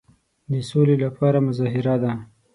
د سولي لپاره مظاهره ده.